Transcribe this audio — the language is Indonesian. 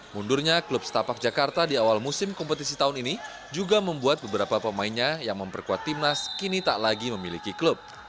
mundurnya klub setapak jakarta di awal musim kompetisi tahun ini juga membuat beberapa pemainnya yang memperkuat timnas kini tak lagi memiliki klub